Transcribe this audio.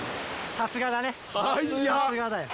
さすがだよ。